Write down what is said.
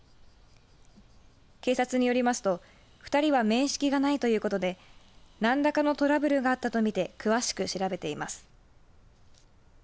警察によりますと２人は面識がないということで何らかのトラブルがあったと見て詳しく調べています。